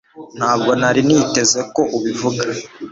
Ntabwo nari niteze ko ubivuga